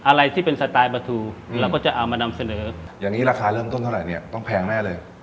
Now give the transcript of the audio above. อะไรที่เป็นสไตล์ปลาทูเราก็จะเอามานำเสนออย่างนี้ราคาเริ่มต้นเท่าไหร่เนี่ยต้องแพงแน่เลย